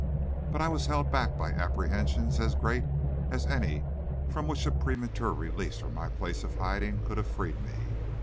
But I was held back by apprehensions as great as any from which a premature release from my place of hiding could have freed me.